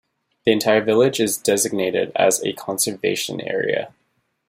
The entire village is designated as a conservation area.